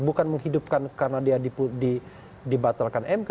bukan menghidupkan karena dia dibatalkan mk